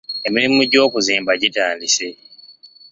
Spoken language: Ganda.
Emirimu gy'okuzimba gitandise.